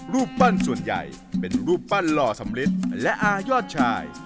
รูปปั้นส่วนใหญ่เป็นรูปปั้นหล่อสำลิดและอายอดชาย